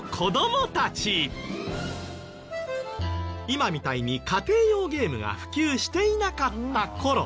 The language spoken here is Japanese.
今みたいに家庭用ゲームが普及していなかった頃。